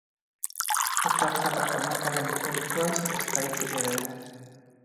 Besarkadak ematearen kontuaz ezta hitzik ere.